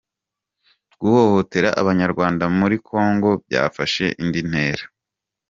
Guhohotera Abanyarwanda muri Kongo byafashe indi ntera